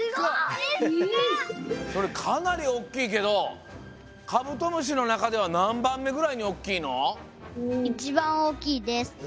それかなりおっきいけどカブトムシのなかではなんばんめぐらいにおっきいの？